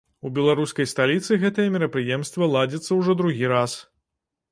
У беларускай сталіцы гэтае мерапрыемства ладзіцца ўжо другі раз.